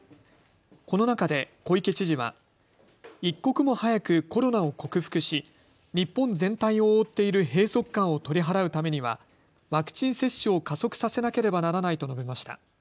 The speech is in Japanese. この中で小池知事は、一刻も早くコロナを克服し日本全体を覆っている閉塞感を取り払うためにはワクチン接種を加速させなければならないと述べました。